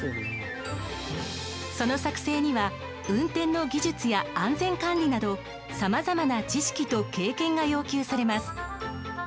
その作成には運転の技術や安全管理などさまざまな知識と経験が要求されます。